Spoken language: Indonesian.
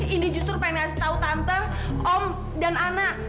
indi justru pengen ngasih tau tante om dan ana